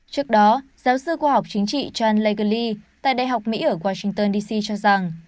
trước đó giáo sư khoa học chính trị chan lagley tại đại học mỹ ở washington d c cho rằng